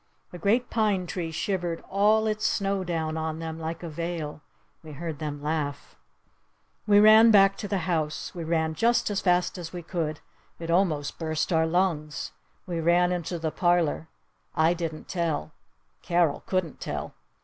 A great pine tree shivered all its snow down on them like a veil. We heard them laugh. We ran back to the house. We ran just as fast as we could. It almost burst our lungs. We ran into the parlor. I didn't tell. Carol couldn't tell.